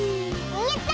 やった！